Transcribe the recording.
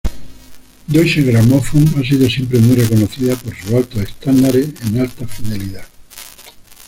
Deutsche Grammophon ha sido siempre muy reconocida por sus altos estándares en alta fidelidad.